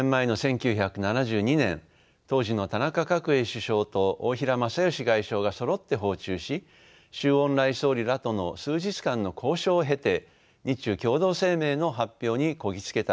５０年前の１９７２年当時の田中角栄首相と大平正芳外相がそろって訪中し周恩来総理らとの数日間の交渉を経て日中共同声明の発表にこぎ着けたのです。